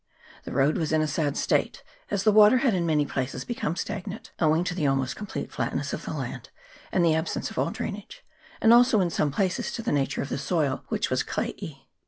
The road was in a sad state, as the water had in many places become stagnant, owing to the almost complete flatness of the land and the absence of all drainage, and also in some places to the nature of the soil, which was clayey.